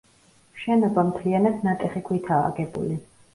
შენობა მთლიანად ნატეხი ქვითაა აგებული.